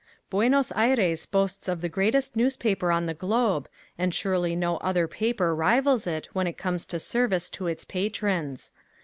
Buenos Aires boasts of the greatest newspaper on the globe and surely no other paper rivals it when it comes to service to its patrons.